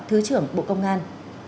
thứ trưởng bộ công an